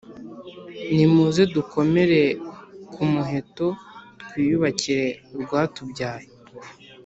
Nimuze dukomere ku muheto twiyubakire urwatubyaye